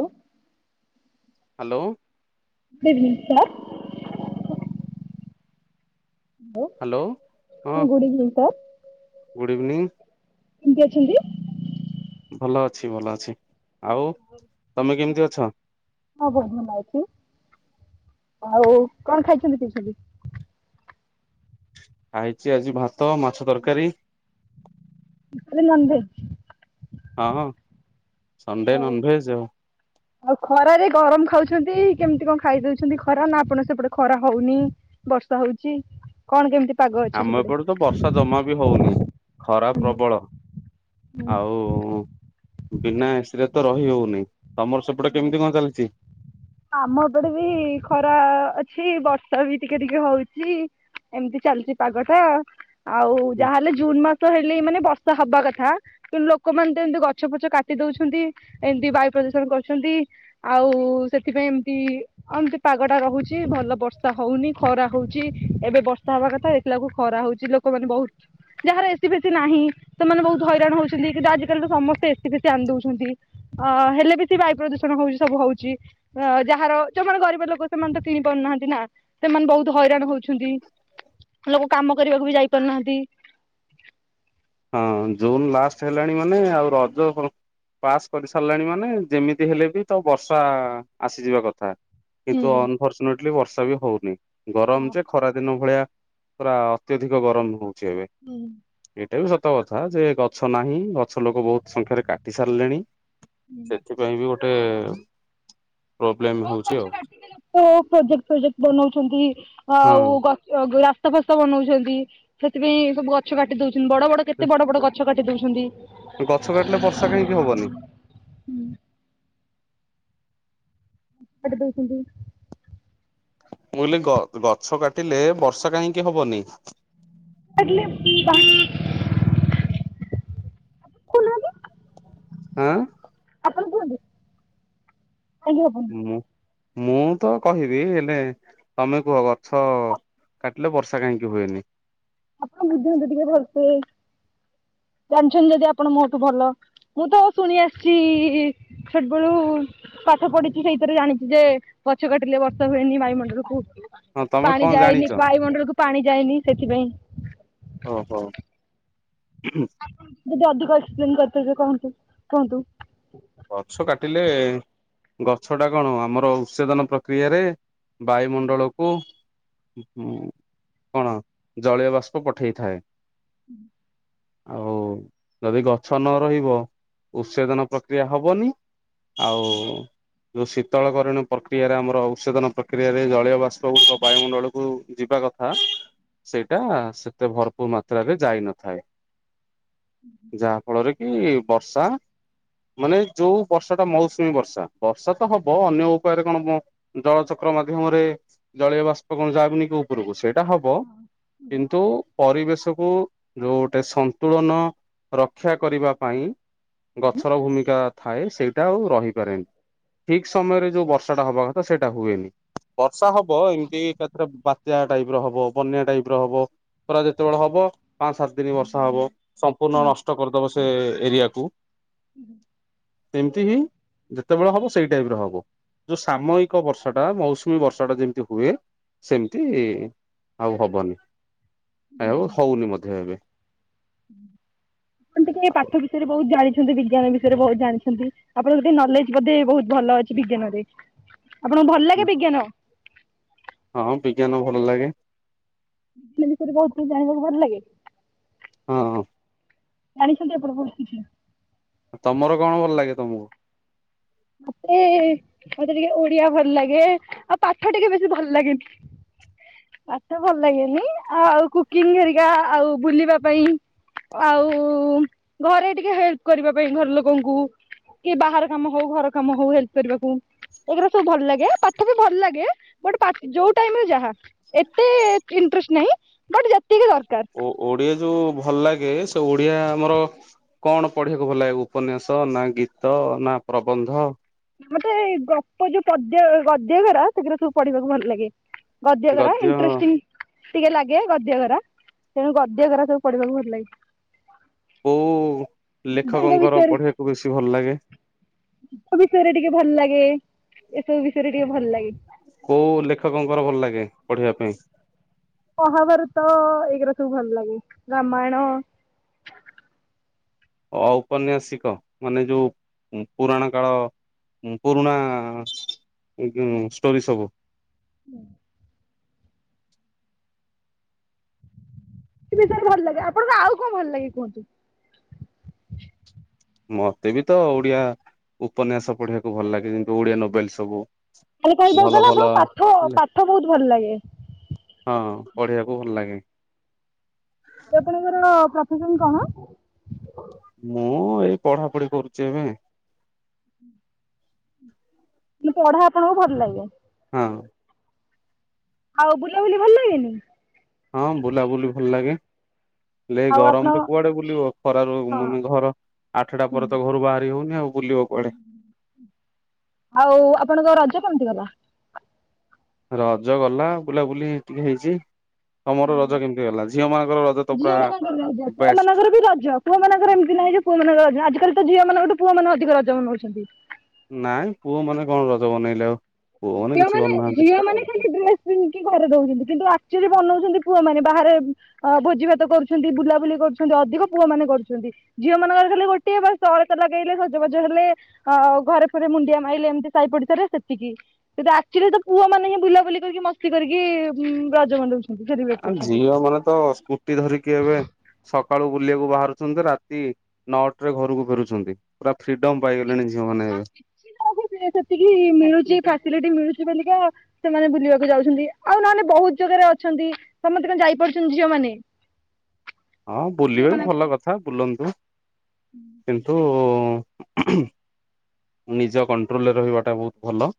ଉଁ। Hello. [unintelligible] Sir hello hello ହଁ good evening sir good evening କେମିତି ଅଛନ୍ତି ଭଲ ଅଛି ଭଲ ଅଛି। ଆଉ ତମେ କେମିତି ଅଛ? ହଁ ବହୁତ ଭଲ ଅଛି ଆଉ କଣ ଖାଇଛନ୍ତି କିସି ଖାଇଛି ଆଜି ଭାତ ମାଛ ତରକାରୀ। ନନ ଭେଜ୍ ହଁ। ସଣ୍ଡେ ହଉ ନନଭେଜ ଆଉ। ଆଉ ଖରାରେ ଗରମ ଖାଉ ଛନ୍ତି କେମିତି କଣ ଖାଇଦଉଛନ୍ତି ଖରା ନା ଆପଣ ସେପଟେ ଖରା ହୋଉନି ବର୍ଷା ହୋଉଚି। କଣ କେମିତି? ପାଗ ଅଛି ଆମ ସେପଟେ? ଏପଟେ ତ ବର୍ଷା ଜମା ବି ହଉନି ଖରା ହୁଁ ପ୍ରବଳ। ହୁଁ। ଆଉ। ବିନା ଏ ସିରେ ତ ରହି ହଉନି, ତମର ସେପଟ ହଁ କେମିତି କଣ ଚାଲିଚି? ଆମ ଏପଟେ ବି ଖରା ଅଛି ବର୍ଷା ବି ଟିକେ ଟିକେ ହଉଚି। ଏମିତି ଚାଲିଛି ପାଗଟା ଆଉ ଯାହାହେଲେ ଜୁନ ମାସ ହେଲେ ମାନେ ବର୍ଷା ହବା କଥା କିନ୍ତୁ ଲୋକମାନେ ତ ଏମିତି ଗଛ ଫଛ କାଟି ଦଉଛନ୍ତି ଏମିତି ବାୟୁ କରୁଛନ୍ତି ଆଉ ସେଥିପାଇଁ ଏମିତି ଏମିତି ପାଗଟା ରହୁଚି ଭଲ ବର୍ଷା ହଉନି ଖରା ହଉଛି ଏବେ ବର୍ଷା ହବା କଥା ଦେଖିଲକୁ ଖରା ହୋଉଚି ଲୋକମାନେ ବହୁତ ଯାହାର ଏସି ବସିି ନାହିଁ ସେମାନେ ବୋ ହୁତ ହଇରାଣ ହଉଛନ୍ତି। କିନ୍ତୁ ଆଜିକାଲି ତ ସମସ୍ତେ ଏସିି ବେଶୀ ଆନ୍ଦଉଛନ୍ତି ଅ ହେଲେ ବେଶି ବାୟୁ ପ୍ରଦୂଷଣ ହଉଛି ସବୁ ହଉଛି ଅ ଯାହାର ଯୋମାନେ ଗରିବ ଲୋକ ସେମାନେ ତ କିଣି ପାରୁନାହାନ୍ତି ନା ସେମାନେ ବୋହୁତ ହଇରାଣ ହଉଛନ୍ତି। ଲୋକ କାମ କରିବାକୁ ବି ଯାଇପାରୁନାହାନ୍ତି। ହଁ ଜୁନ୍ ଲାଷ୍ଟ ହେଲାଣି ମାନେ ଆଉ ରଜ ପାସ୍ କରି ସାରିଲାଣି ମାନେ ଯେମିତି ହେଲେ ବି ତ ବର୍ଷା ଆସିଯିବା କଥା। କିନ୍ତୁ ଅନଫର୍ଚୁନେଟଲି ବର୍ଷା ବି ହଉନି, ଗରମ ହଁ ଯେ ଖରା ଦିନ ଭଳିଆ। ପୁରା ଅତ୍ୟଧିକ ଗରମ ହଉଛି ଏବେ। ଏଟା ବି ସତ କଥା ଯେ ଗଛ ନାହିଁ ଗଛ ଲୋକ ବୋହୁତ ସଂଖ୍ୟାରେ କାଟି ସାରିଲେଣି। ସେଥିପାଇଁ ବି ଗୋଟେ। ପ୍ରୋବ୍ଲେମ ବ ହଉଛି ଗଛ ଆଉ। କାଟି ଲ ପ୍ରୋଜେକ୍ଟ ପ୍ରୋଜେକ୍ଟ ବନଉଛନ୍ତି ଆଉ ହଁ ଗ ଫସ ବନଉଛନ୍ତି ସେଥିପାଇଁ ସବୁ ଗଛ କାଟି ଦଉଛନ୍ତି ବଡ ବଡ କେତେ ବଡ ବଡ ଗଛ କାଟି ଦଉଛନ୍ତି। ଗଛ କାଟିଲେ ବର୍ଷା କାହିଁକି ହବନି? ପଟ ଦେଖନ୍ତି ମୁଁ କହିଲି ଗ ଗ ଗଛ କାଟିଲେ ବର୍ଷା କାହିଁକି ହବନି? କଲେ କଣ ହଁ ଆଣି ହବନ ମୁଁ ମୁଁ ତ କହିବି ହେଲେ ତମେ କୁହ ଗଛ କାଟି ହେଲେ ବର୍ଷା କାହିଁକି ହୁଏନି? ଆପଣ ବୁଝନ୍ତୁ ଟିକେ ଭଲସେ ଜାଣିଛଛନ୍ତି ଯଦି ଆପଣ ମୋଠୁ ଭଲ ମୁଁ ତ ଶୁଣି ଆସିଛି ସେଠବେଳୁ ପାଠ ପଢିଚି ସେଇଥିରେ ଜାଣିଛି ଯେ ପଛ କାଟିଲେ ବର୍ଷା ହୁଏନି ବାୟୁମଣ୍ଡଳକୁ ହଁ ତମେ ପାଣି କଣ ଜାଣିଛ? ଯାଏନି ବାୟୁମଣ୍ଡଳକୁ ପାଣି ଯାଏନି ସେଥିପାଇଁ। ଓ ହୋ। ଯେ ଅଧିକ ଏକ୍ସପ୍ଲେନ କରିଥିବେ କୁହନ୍ତୁ କୁହନ୍ତୁ। ଗଛ କାଟିଲେ ଗଛ ଟା କଣ ଆମର ଉଚଛେଦନ ପ୍ରକ୍ରିୟାରେ ବାୟୁମଣ୍ଡଳକୁ। ହଁ କଣ ଜଳୀୟ ବାଷ୍ପ ପଠେଇଥାଏ। ହୁଁ। ଆଉ ଯଦି ଗଛ ନ ରହିବ ଉଚଛେଦନ ପ୍ରକ୍ରିୟା ହବନି। ଆଉ। ଯୋଉ ଶୀତଳକରୀଣ ପ୍ରକ୍ରିୟାରେ ଆମର ଔଷେଧନ ପ୍ରକ୍ରିୟାରେ ଜଳୀୟ ବାଷ୍ପ ଗୁଡିକ ବାୟୁମଣ୍ଡଳକୁ ଯିବା କଥା ସେଇଟା ସେତେ ଭରପୁର ମାତ୍ରାରେ ଯାଇନଥାଏ। ଯାହା ଫଳରେ କି ବର୍ଷା ମାନେ ଯୋଉ ବର୍ଷା ଟା ମୌସୁମୀ ବର୍ଷା ବର୍ଷା ତ ହବ ଅନ୍ୟ ଉପାୟରେ କଣ ଜଳଚକ୍ର ମାଧ୍ୟମ ରେ ଜଳୀୟ ବାଷ୍ପ କଣ ଯାବନି କି ଉପରକୁ ସେଇଟା ହବ କିନ୍ତୁ ପରିବେଶ ହୁଁ ହଁ। ଭୂମିକା ଥାଏ ସେଇଟା ଆଉ ରହିପାରେନି। ଠିକ ସମୟରେ ଯୋଉ ବର୍ଷା ଟା ହବା କଥା ସେଇଟା ହୁଏନି। ବର୍ଷା ହବ ଏମିତି ଏକାଥରେ ବାତ୍ୟା ଟାଇପ ର ହବ ବନ୍ୟା ଟାଇପ ର ହବ ପୁରା ଯେତେବେଳେ ହବ ପାଞ୍ଚ ସାତ ଦିନ ବର୍ଷା ହବ ସମ୍ପୂର୍ଣ୍ଣ ନଷ୍ଟ କରିଦବ ସେ ଏରିଆକୁ। ସେମିତି ହିଁ ଯେତେବେଳେ ହବ ସେଇ ଟାଇପରେ ହବ ଯୋଉ ସାମୟିକ ବର୍ଷା ଟା ମଉସୁ ମୀ ବର୍ଷା ଟା ଯେମିତି ହୁଏ ସେମିତି ଆଉ ହବନି। ଆଉ ହଉନି ମଧ୍ୟ ଏବେ। ଆପଣ ଟିକେ ଏଇ ପାଠ ବିଷୟରେ ବହୁତ ଜାଣି ତି ବିଜ୍ଞାନ ବିଷୟରେ ବହୁତ ଜାଣିଛନ୍ତି ଆପଣଙ୍କ ଟିକେ ନଲେଜ ବୋଧେ ବହୁତ ଭଲ ଅଛି ବିଜ୍ଞାନ ରେ। ଆପଣଙ୍କୁ ଭଲ ଲାଗେ ବିଜ୍ଞାନ? ହଁ ବିଜ୍ଞାନ ଭଲ ଲାଗେ। ବି ବିଷୟରେ ବହୁତ ଜାଣିବାକୁ ଭଲ ଲାଗେ। ହଁ ହ। ଜାଣିଛନ୍ତି ଆପଣ ବହୁତ କିଛି। ତମର କଣ ଭଲ ଲାଗେ ତମକୁ? [unintelligible] ଏ ମତେ ଟିକେ ଓଡିଆ ଭଲ ଲାଗେ ଆଉ ପାଠ ଟିକେ ବେଶୀ ଭଲ ଲାଗେନି। ପାଠ ଭଲ ଲାଗେନି ଆ ଆଉ କୁକିଂ ହେରିକା ଆଉ ବୁଲିବା ପାଇଁ ଆଉ ଘରେ ଟିକେ ହେଲ୍ପ କରିବା ପାଇଁ ଘର ଲୋକଙ୍କୁ କି ବାହାର କାମ ହଉ ଘର କାମ ହଉ ହେଲ୍ପ କରିବାକୁ ଏଗରା ସବୁ ଭଲ ଲାଗେ ପାଠ ବି ଭଲ ଲାଗେ ବଟ ପା ଠ ଯୋଉ ଟାଇମ ରେ ଯାହା। ଏତେ ଇଂଟରେଷ୍ଟ ନାହିଁ ବାଟ ଯେ ଓ ଓଡିଆ ଯୋଉ ଭଲ ଲାଗେ ସେ ଓଡିଆ ଆମର କଣ ପଢିବାକୁ ଭଲ ଲାଗେ ଉପନ୍ୟାସ ନା ଗୀତ ନା ପ୍ରବନ୍ଧ ମତେ ଏ ଗପ ଯୋଉ ପଦ୍ୟ ଗଦ୍ୟ ଗୁରା ସେଗୁରା ସବୁ ପଢିବାକୁ ଭଲ ଲାଗେ। ଗଦ୍ୟକର ଗଦ୍ୟ ଇନ୍ତ୍ରେଷ୍ଟିଙ୍ଗ ଟିକେ ଲାଗେ ଗଦ୍ୟଗରା ତେଣୁ ଗଦଗରା ସବୁ ପଢିବାକୁ ଭଲ ଲାଗେ। କୋଉ ବୁଦ୍ଧଙ୍କ ଲେଖକଙ୍କର ପଢିବାକୁ ବେଶୀ ଭଲ ଲାଗେ? କ ବିଷୟରେ ଟିକେ ଭଲ ଲାଗେ ଏସବୁ ବିଷୟରେ ଟିକେ ଭଲ ଲାଗେ। କୋଉ ଲେଖକଙ୍କର ଭଲ ଲାଗେ ପଢିବା ପାଇଁ? ମହାଭାରତ ଏଗୁରା ସବୁ ଭଲ ଲାଗେ ରାମାୟଣ ଔପନ୍ୟାସିକ ମାନେ ଯୋଉ ପୁରୁଣା କାଳ ଉଁ ପୁରୁଣା ଗୁଁ ଷ୍ଟୋରି ସବୁ। ହୁଁ। ସେ ବିଷୟରେ ଭଲ ଲାଗେ ଆପଣଙ୍କୁ ଆଉ କଣ ଭଲ ଲାଗେ କୁହନ୍ତୁ। ମତେ ବି ତ ଓଡିଆ ଉପନ୍ୟାସ ପଢିବାକୁ ଭଲ ଲାଗେ କିନ୍ତୁ ଓଡିଆ ନୋବେଲ ସବୁ ଆଉ ତାହେଲେ ଭଲ ଆପଣ ପାଠ ଭଲ ପାଠ ବହୁତ ଭଲ ଲାଗେ। ପଢ଼ିବାକୁ ଭଲ ଲାଗେ। ଆପଣଙ୍କର ପ୍ରଫେସନ କଣ? ମୁଁ ଏଇ ପଢାପଢି କରୁଛି ଏବେ। ପଢା ଆପଣଙ୍କୁ ଭଲ ଲାଗେ? ହଁ। ଆଉ ବୁଲାବୁଲି ଭଲ ଲାଗେନି? ହଁ ବୁଲାବୁଲି ଭଲ ଲାଗେ। ହେ ଆଉ ଆପଣ ଗରମରେ କୁଆଡେ ବୁଲିବ ଖରାରୁୁ ହଁ ମାନେ ଘର ଆଠଟା ପରେ ତ ଘରୁ ବାହାରି ହଉନି ଆଉ ବୁଲିବ କୁଆଡେ। ଆଉ ଆପଣଙ୍କ ରଜ କେମିତି ଗଲା? ରଜ ଗଲା ବୁଲାବୁଲି ଟିକେ ହେଇଛି। ତମର ରଜ କେମତି ଗଲା ଝିଅ ମା ଝିଅ ମାନଙ୍କର ରଜ ପୁଅ ମାନଙ୍କର ବି ରଜ ପୁଅ ମାନଙ୍କର ଏମିତି ନାହିଁ ଯେ ପୁଅ ମାନଙ୍କର ରଜ ଆଜ କାଲି ତ ଝିଅ ମାନଙ୍କ ଠୁ ପୁଅ ମାନେ ଅଧିକ ରଜ ମନଉଛନ୍ତି। ନାଇଁ ପୁଅ ମାନେ କଣ ରଜ ବନେଇଲେ ଆଉ ପୁଅ ମାନେ କିଛି ଝିଅମାନେ କରୁନାହାନ୍ତି ଝିଅ ମାନେ ଖାଲି ଡ୍ରେସ ପିନ୍ଧିକି ଘରେ ଦଉଛନ୍ତି କିନ୍ତୁ ବନଉଛନ୍ତି ପୁଅମାନନେ ବାହାରେ ଅ ଭୋଜିଭାତ କରୁଛନ୍ତି ବୁଲାବୁଲି କରୁଛନ୍ତି ଅଧିକ ପୁଅମାନେ କରୁଛନ୍ତି। ଝିଅ ମାନଙ୍କର ହେଲେ ଗୋଟଏ ବର୍ଷ ଅଳତା ଲଗେଇଲେ ସଜବାଜ ହେଲେ ଅ ଘରେ ଫରେ ମୁଣ୍ଡିଆ ମାଇଲେ ଏମତି ସାଇ ପଡିଶାରେ ସେତିକି। କିନ୍ତୁ ଆକ୍ଚୁଆଲି ତ ପୁଅ ମାନେ ହିଁ ବୁଲାବୁଲି କରିକି ମସ୍ତି କରିକି ରଜ ମନଉଛନ୍ତି। ଆ ଝିଅ ମାନେ ତ ସ୍କୁଟି ଧରିକି ଏବେ ସକାଳୁ ବୁଲିବାକୁ ବାହାରି ରାତି ନଅଟାରେ ଘରକୁ ଫେରୁଛନ୍ତି ପୁରା ଫ୍ରିଡମ ପାଇଗଲେଣି ଝିଅମାନେ ଏବେ ସେତିକି ମିଳୁଛି ଫାସିଲିଟି ମିଳୁଛି ବୋଲି ଆଜ୍ଞା ସେମାନେ ବୁଲିବାକୁ ଯାଉଛନ୍ତି ଆଉ ନହଲେ ବହୁତ ଜାଗାରେ ଅଛନ୍ତି, ସମସ୍ତେ କଣ ଯାଇପାରୁଛନ୍ତି ଝିଅମାନେ? [inaudible] ହଁ ବୁଲିବା ବି ଭଲ କଥା ବୁଲନ୍ତୁ କିନ୍ତୁ ନିଜ କଣ୍ଟ୍ରୋଲରେ ରହିବାଟା ବହୁତ ଭଲ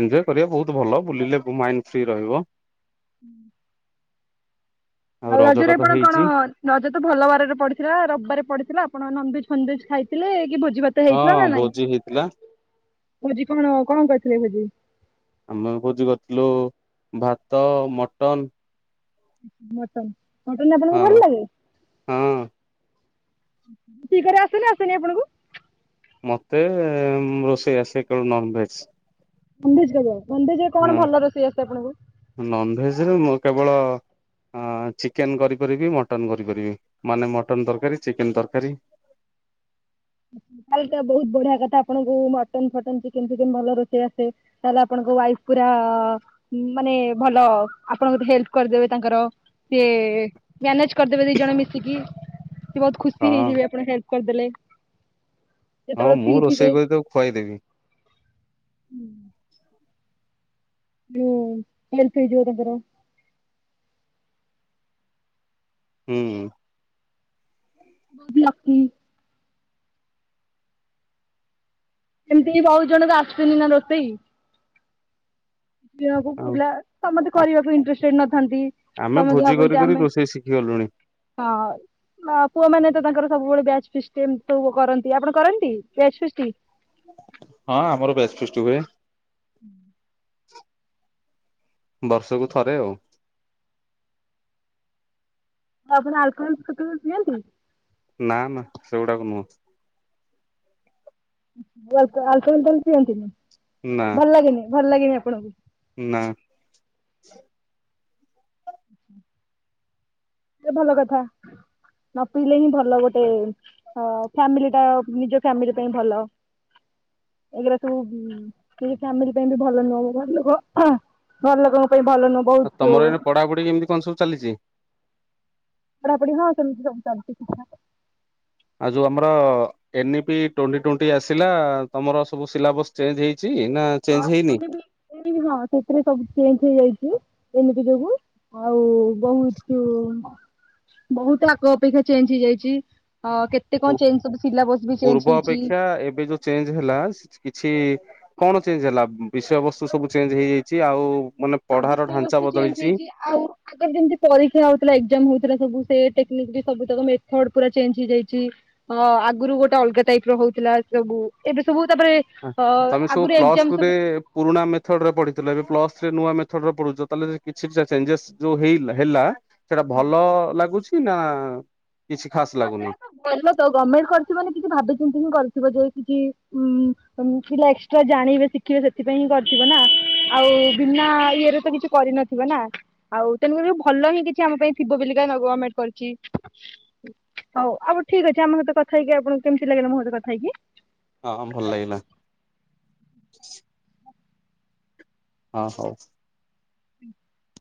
ଏନଜଏ କରିବା ବହୁତ ଭଲ ବୁଲିଲେ ମାଇଣ୍ଡ ଫ୍ରି ରହିବ। ହୁଁ। ଆଉ ରଜଟା ରଜରେ ତ ଆପଣ କଣ ହେଇଛି ରଜ ତୁ ଭଲ ବାରରେ ପଡିଥିଲା ରବିବାରେ ପଡିିଥିଲା ଆପଣ ନନଭେଜ ଫନ ଭେଜ ଖାଇଥିଲେ କି ଭୋଜି ଭାତ ହେଇଥିଲା ନା ହଁ ନାଇଁ? ଭୋଜି ହେଇଥିଲା ଭୋଜି କଣ କଣ କରିଥିଲେ ଭୋଜି? ଆମେ ଭୋଜି କରିଥିଲୁ ଭାତ ମଟନ୍ ମଟନ ମଟନ ଆପଣଙ୍କୁ ଭଲ ହଁ ଲାଗେ? ହଁ ରୋଷେଇ କରି ଆସେ ନା ଆସେନି ଆପଣଙ୍କୁ? ମତେ ଏ ଉଁ ରୋଷେଇ ଆସେ କେବଳ ନନଭେଜ। ନନଭେଜ୍ କେବଳ ନନଭେଜ୍ କଣ ଭଲ ରୋଷେଇ ଆସେ ଆପଣଙ୍କୁ? ଭେଜରେ ମୁଁ କେବଳ ହଁ ଚିକେନ କରିପାରିବି ମଟନ କରିପାରିବି ମାନେ ମଟନ ତରକାରୀ ଚିକେନ ତରକାରୀ। ହୁ। ତାହେଲେ ତ ବହୁତ ବଢିଆ କଥା ଆପଣଙ୍କୁ ମଟନ ଫଟନ ଚିକେନ ଫିକେନ ଭଲ ରୋଷେଇ ଆସେ ତାହେଲେ ଆପଣଙ୍କ ୱାଇଫ ପୁରାମାନେ ଭଲ ଆପଣେ ହେଲ୍ପ କରିଦେବେ ତାଙ୍କର ସେ ମ୍ୟାନେଜ୍ କରିଦେବେ ଦି ଜଣ ମିଶିକି ବହୁତ ଖୁସି ହଁ ହେଇଯିବେ ଆପଣ ହେଲପ କରିଦେଲେ। ହଁ ଯେତେବେଳେ ମୁଁ ଫ୍ରି ଥିବେ ରୋଷେଇ କରି ତାକୁ ଖୁଆଇ ଦେବି। ହୁଁ ହେଲପ୍ ହେଇଯିବ ତାଙ୍କର ହୁଁ। ଲକି ଏମିତି ବହୁତ ଜଣ ତ ଆସୁଛନ୍ତି ନା ରୋଷେଇ ଝିଅକୁ ଆଉ ପିଲା ସମସ୍ତେ କରିବାକୁ ଇଣ୍ଟଷ୍ଟେଡ ନଥାନ୍ତି। ଆମେ ସମସ୍ତେ ଭୋଜି ଭାବନ୍ତି କରି କରି ଆମେ ରୋଷେଇ ଶିଖିଗଲୁଣି। ହଁ ଅ ପୁଅ ମାନେ ତ ତାଙ୍କର ସବୁବେଳେ ବ୍ୟାଚ୍ ଫିଷ୍ଟ ଏମିତି ସବୁ କରନ୍ତି ଆପଣ କରନ୍ତି ବ୍ୟାଚ ଫିଷ୍ଟି ହଁ ଆମର ବେଶ ଫିଷ୍ଟ ହୁଏ। ବର୍ଷକୁ ଥରେ ଆଉ। ଆଉ ଆପଣ ଆଲକୋହଲ ପିଅନ୍ତି? ନା ନା ସେଗୁଡାକ ନୁହଁ। ଅଲକାହଲ ତାହାଲେ ପିଅନ୍ତିନି ଭଲ ଲାଗେନି ଭଲ ଲାଗେନି ଆପଣଙ୍କୁ? ନାଁ। [inaudible] ଏ ଭଲ କଥା ନ ପିଇଲେ ହିଁ ଭଲ ଗୋଟେ ଫ୍ୟାମିଲିଟା ନିଜ ଫ୍ୟାମିଲି ପାଇଁ ଭଲ। [inaudible] ଏଗୁରା ସବୁ ସେ ଫ୍ୟାମିଲି ପାଇଁ ବି ଭଲ ନୁହଁବ ଘରର ଲୋକ ସେ ଭଲ ନୁହଁ ଆଉ ବହୁତ ତମର ଏଇନେ ପଢାପଢି କେମିତି କଣ ସବୁ ଚାଲିଛି? ପଢାପଢି ହଁ ସେମତି ସବୁ ଚାଲିଛି ଠିକଠାକ। ଆଉ ଯୋଉଁ ଆମର ଏନିପି ଟୋଣ୍ଟି ଟୋଣ୍ଟି ଆସିଲା ତମର ସବୁ ସିଲାବସ୍ ଚେଞ୍ଜ ହେଇ ହଁ ହଁ ସେଥିରେ ସବୁ ଚେଞ୍ଜ ହେଇଯାଇଛି। ଏମିତି ଯୋଗୁଁ ଆଉ ବହୁତୁ ବହୁତ ଆଗ ଅପେକ୍ଷା ଚେଞ୍ଜ ହେଇଯାଇଛି। ଅ କେତେ କ'ଣ ଚେଞ୍ଜ ସବୁ ସିଲାବସ୍ ବି ଚେଞ୍ଜ ପୂର୍ବ ହେଇଛି ଅପେକ୍ଷା ଏବେ ଯୋଉଁ ଚେଞ୍ଜ ହେଲା କିଛି କଣ ଚେଞ୍ଜ ହେଲା ବିଷୟବସ୍ତୁ ସବୁ ଚେଞ୍ଜ ହେଇଯାଇଛି ଆଉ ମାନେ ପଢାର ଏଇ ଢାଞ୍ଚା ବର୍ଷ ଚେଞ୍ଜ ବଦଳିଛି। ହେଇଛି। ଆଗରୁ ଯେମତି ପରୀକ୍ଷା ହଉଥିଲା ଏଗଇମ୍ ହୋଉଥିଲା ସବୁ ସେ ଟେକ୍ନିକ ବି ସବୁତକ ମେଥଡ ପୁରା ଚେଞ୍ଜ ହେଇଯାଇଛି। ଆଗରୁ ଗୋଟେ ଅଲଗା ଟାଇପ ର ହଉଥିଲା ସବୁ ଏବେ ସବୁ ତାପରେ ଅ ତମେ ସବୁ ଆଗରୁ ପ୍ଲସ ଟୁ ରେ ସବୁ ପୁରୁଣା ମେଥଡ ରେ ପଢିଥିଲ ଏବେ ପ୍ଲସ୍ ନୂଆ ମେଥଡରେ ପଡୁଛ। ତାହେଲେ କିଛି ଚେଞ୍ଜେସ ଯୋଉଁ ହେଇ ହେଲା ସେଇଟା ଭଲ ଲାଗୁଛି ନା କିଛି ଖାସ୍ ଲାଗୁନି ଭଲ ତ ଗମେଣ୍ଟ କରିଚି ମାନେ କିଛି ଭାବିଚିନ୍ତି ହିଁ କରିଥିବ ଯେ ଯେ ମଁ ପିଲା ଏକ୍ସଟ୍ରା ଜାଣିବେ ଶିଖିବେ ସେଥିପାଇଁ ହିଁ କରିଥିବ ନା ଆଉ ନା ଇଏରେ ତ କିଛି କରିନଥିବ ନା ଆଉ ତେଣୁକରି ଭଲ ହିଁ କିଛି ଆମ ପାଇଁ ଥିବ ବୋଲି କରଣ ଗମେଣ୍ଟ କରି ଚି। ହଉ ଆଉ ଠିକ ଅଛି। ଆମ ସହିତ କଥା ହେଇକି ଆପଣଙ୍କୁ କେମିତି ଲାଗିଲା ମୋ ସହିତ କଥା ହେଇକି? ହଁ ଭଲ ଲାଗିଲା। ହଁ ହଉ। ହୁଁ [unintelligible]